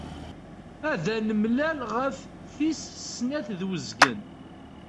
Ad nemlil ɣef tis snat ed wezgen.